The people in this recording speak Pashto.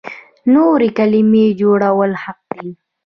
نوې کلمې جوړول حق دی.